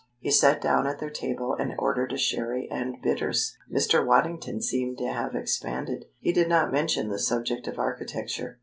He sat down at their table and ordered a sherry and bitters. Mr. Waddington seemed to have expanded. He did not mention the subject of architecture.